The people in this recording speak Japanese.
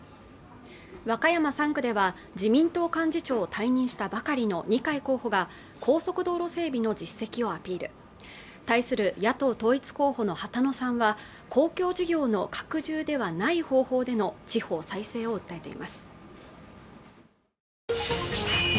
和歌山３区では自民党幹事長を退任したばかりの二階候補が高速道路整備の実績をアピール対する野党統一候補の畑野さんは公共事業の拡充ではない方法での地方再生を訴えています